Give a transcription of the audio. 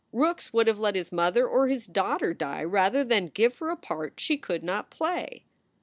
Rookes would have let his mother or his daughter die rather than give her a part she could not play.